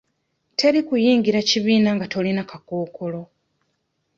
Teri kuyingira kibiina nga tolina kakookolo.